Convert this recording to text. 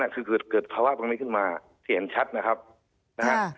คือเกิดภาวะตรงนี้ขึ้นมาเขียนชัดนะครับนะฮะ